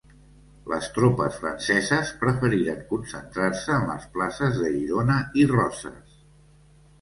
Les tropes franceses preferiren concentrar-se en les places de Girona i Roses.